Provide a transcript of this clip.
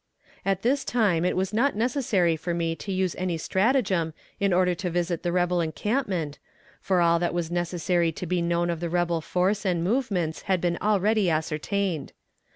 At this time it was not necessary for me to use any stratagem in order to visit the rebel encampment, for all that was necessary to be known of the rebel force and movements had been already ascertained.